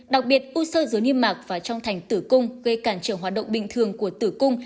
đặc biệt u sơ dưới niêm mạc và trong thành tử cung gây cản trở hoạt động bình thường của tử cung